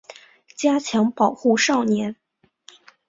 加强保护少年